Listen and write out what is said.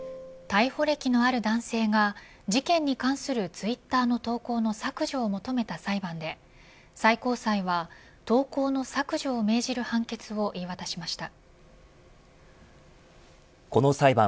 逮捕歴のある男性が事件に関するツイッターの投稿の削除を求めた裁判で最高裁は投稿の削除を命じる判決を言い渡しました。